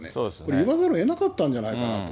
言わざるをえなかったんじゃないかなと。